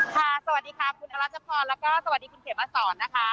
สวัสดีค่ะคุณอรัชพรแล้วก็สวัสดีคุณเขมมาสอนนะคะ